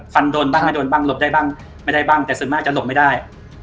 ฟันโดนบ้างไม่โดนบ้างหลบได้บ้างไม่ได้บ้างแต่ส่วนมากจะหลบไม่ได้